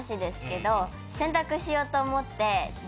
洗濯しようと思って。